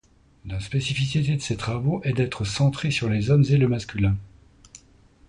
La spécificité de ses travaux est d’être centrés sur les hommes et le masculin.